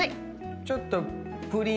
ちょっと。